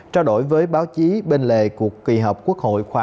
trao đổi với báo chí bên lề cuộc kỳ họp quốc hội khóa một mươi bốn